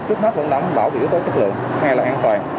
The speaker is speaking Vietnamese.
trước hết vẫn đảm bảo được yếu tố chất lượng hay là an toàn